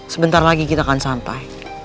sebentar lagi kita akan sampai